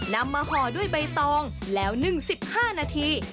นำมาห่อด้วยใบตองแล้วนึ่ง๑๕นาที